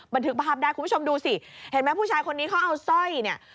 บันทึกภาพได้คุณผู้ชมดูสิเห็นไหมผู้ชายคนนี้เขาเอาสร้อยเนี่ย